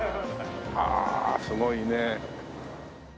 ああすごいね。